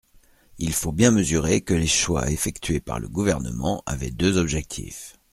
Il faut bien mesurer que les choix effectués par le Gouvernement avaient deux objectifs.